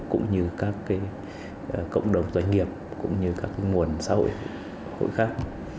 cũng như các cộng đồng doanh nghiệp cũng như các nguồn xã hội khác